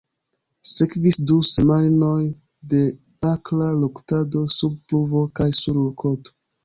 Sekvis du semajnoj de akra luktado sub pluvo kaj sur koto.